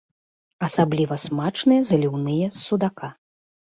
Асабліва смачныя заліўныя з судака.